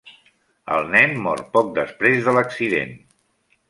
El nen mor poc després de l'accident.